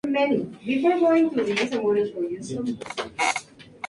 El último de estos tanques es un vehículo de referencia para Krauss-Maffei-Wegmann.